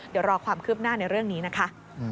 เดี๋ยวรอความคืบหน้าในเรื่องนี้นะคะ